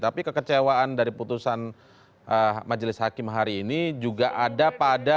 tapi kekecewaan dari putusan majelis hakim hari ini juga ada pada